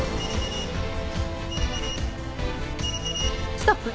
ストップ！